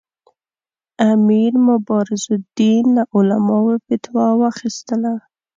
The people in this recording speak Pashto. امیر مبارزالدین له علماوو فتوا واخیستله.